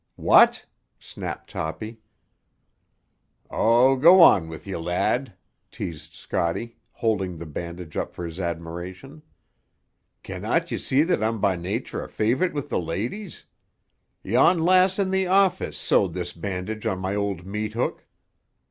"What?" snapped Toppy. "Oh, go on with ye, lad," teased Scotty, holding the bandage up for his admiration. "Can not you see that I'm by nature a fav'rite with the ladies? Yon lass in the office sewed this bandage on my old meat hook.